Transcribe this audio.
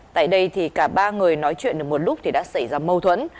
tại đây thì cả ba người nói chuyện được một lúc thì đã xảy ra mâu thuẫn